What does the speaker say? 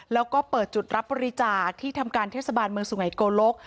แล้วก็เปิดจุดรับบริจาคที่ทำการเทศบาลเมืองสุไงโกลก